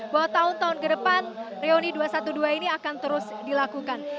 bahwa tahun tahun ke depan reuni dua ratus dua belas ini akan terus dilakukan